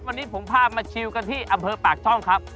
วันนี้ผมพามาชิวกันที่อำเภอปากช่องครับ